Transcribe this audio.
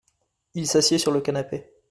Il s’assied sur le canapé.